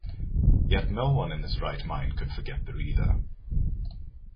Yet no one in his right mind could forget the reader.